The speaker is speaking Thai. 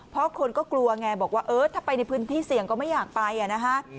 เพราะคนก็กลัวไงบอกว่าเออถ้าไปในพื้นที่เสี่ยงก็ไม่อยากไปนะฮะ